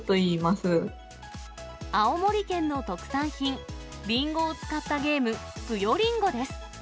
青森県の特産品、りんごを使ったゲーム、ぷよりんごです。